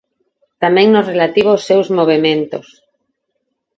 Tamén no relativo aos seus movementos.